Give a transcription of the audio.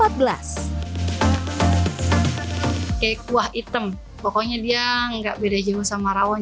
kayak kuah hitam pokoknya dia nggak beda jauh sama rawon